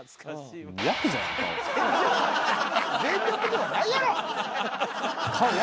「」「全力ではないやろ！」